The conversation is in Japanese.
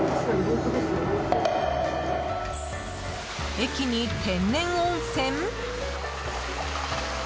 駅に天然温泉？